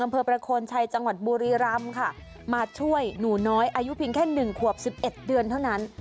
อำเภอประโคนชัยจังหวัดบุรีรำค่ะมาช่วยหนูน้อยอายุเพียงแค่หนึ่งขวบ๑๑เดือนเท่านั้น